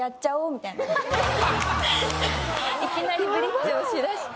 いきなりブリッジをしだして。